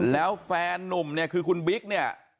แล้วแฟนนุ่มเนี่ยคือคุณบิ๊กเนี่ย